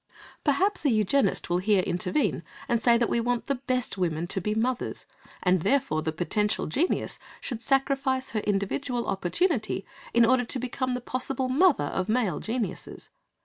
Perhaps a eugenist will here intervene and say that we want the best women to be mothers, and therefore the potential genius should sacrifice her individual opportunity, in order to become the possible mother of male geniuses.